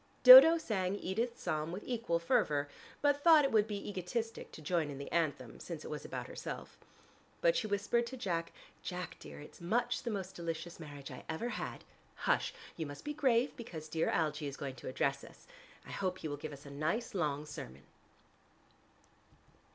Dodo sang Edith's psalm with equal fervor, but thought it would be egoistic to join in the anthem, since it was about herself. But she whispered to Jack, "Jack, dear, it's much the most delicious marriage I ever had. Hush, you must be grave because dear Algie is going to address us. I hope he will give us a nice long sermon."